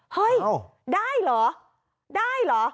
เฮ้ยได้หรอ